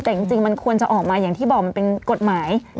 แต่จริงมันควรจะออกมาอย่างที่บอกมันเป็นกฎหมาย